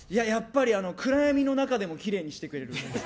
やっぱり暗闇の中でもきれいにしてくれる。